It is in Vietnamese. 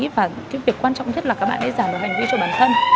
và việc quan trọng nhất là các bạn giảm hành vi cho bản thân